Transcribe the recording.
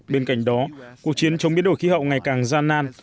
bên cạnh đó cuộc chiến chống biến đổi khí hậu ngày càng gian nan